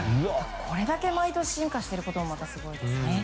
これだけ毎年進化しているのもすごいですね。